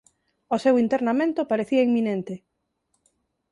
O seu internamento parecía inminente.